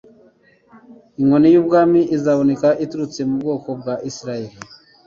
inkoni y'ubwami izaboneka iturutse mu bwoko bwa Isirayeliyeli".